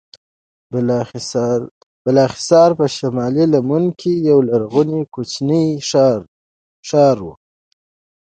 د بالاحصار په شمالي لمنه کې یو لرغونی کوچنی ښار و.